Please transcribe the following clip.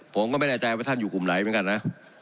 ผมก็ไม่แน่ใจว่าท่านอยู่กลุ่มไหนเหมือนกันนะ